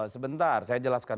sebentar saya jelaskan